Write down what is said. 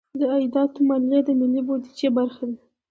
د عایداتو مالیه د ملي بودیجې برخه ده.